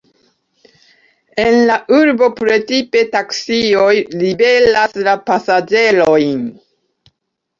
En la urbo precipe taksioj liveras la pasaĝerojn.